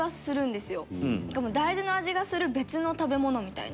でも大豆の味がする別の食べ物みたいな。